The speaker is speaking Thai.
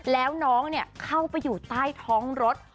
แล้วน้องเข้าไปอยู่ใต้ท้องรถ